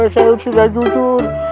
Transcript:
saya tidak jujur